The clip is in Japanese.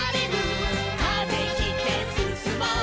「風切ってすすもう」